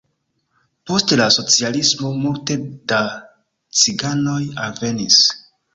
Post la socialismo multe da ciganoj alvenis.